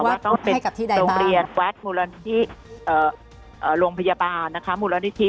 ว่าต้องเป็นโรงเรียนวัดโรงพยาบาลมุลนิธิ